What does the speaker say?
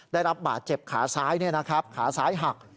ได้รับบาดเจ็บขาซ้ายเนี่ยนะครับขาซ้ายหัก